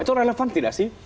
itu relevan tidak sih